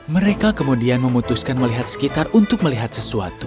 mereka kemudian memutuskan melihat sekitar untuk melihat sesuatu